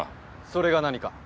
それが何か？